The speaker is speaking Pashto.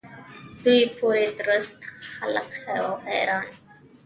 دوی پوري درست خلق وو حیران.